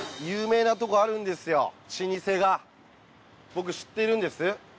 僕知ってるんです。